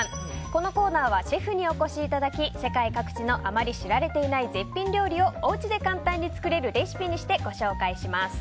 このコーナーはシェフにお越しいただき世界各地のあまり知られていない絶品料理をおうちで簡単に作れるレシピにしてご紹介します。